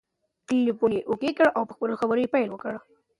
ټلیفون یې اوکې کړ او په خبرو یې پیل وکړ.